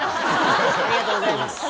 ありがとうございます。